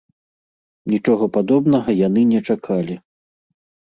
Нічога падобнага яны не чакалі.